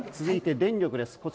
続いて、電力です。